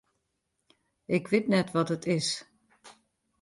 Ik wit net wat it is.